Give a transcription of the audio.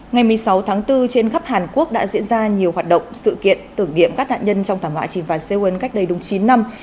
ngày một mươi sáu tháng bốn trên khắp hàn quốc đã diễn ra nhiều hoạt động sự kiện tưởng niệm các nạn nhân trong thảm họa trìm và xê uân cách đây đúng chín năm